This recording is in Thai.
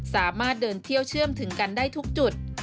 สามารถเดินเที่ยวเชื่อมถึงกันได้ทุกจุด